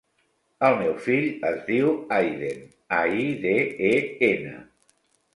El meu fill es diu Aiden: a, i, de, e, ena.